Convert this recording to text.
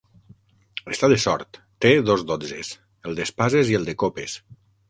Està de sort, té dos dotzes: el d'espases i el de copes!